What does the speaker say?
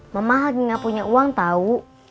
mama lagi gak punya uang tau